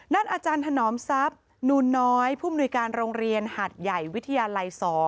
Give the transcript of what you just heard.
อาจารย์ถนอมทรัพย์นูนน้อยผู้มนุยการโรงเรียนหัดใหญ่วิทยาลัย๒